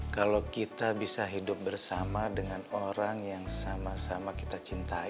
kalau kita bisa hidup bersama dengan orang yang sama sama kita cintai